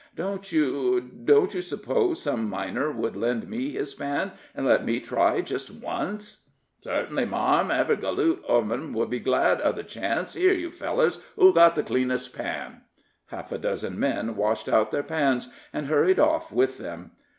Don't you don't you suppose some miner would lend me his pan and let me try just once?" "Certingly, marm; ev'ry galoot ov'em would be glad of the chance. Here, you fellers who's got the cleanest pan?" Half a dozen men washed out their pans, and hurried off with them.